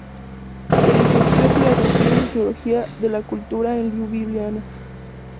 Se licenció en filosofía y sociología de la cultura en Liubliana.